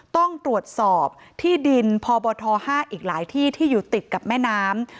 ต้องตรวจสอบที่ดินพบท๕อีกหลายที่ที่อยู่ติดกับแม่น้ำ